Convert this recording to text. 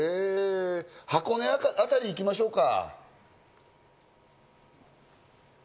箱根あたり行きましょうか。